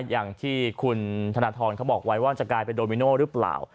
อย่างที่คุณธนทรเขาบอกไว้ว่าจะกลายเป็นโดมิโน่หรือเปล่า